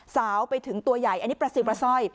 สาวไปถึงตัวใหญ่อันนี้ประสิทธิ์ประส่อย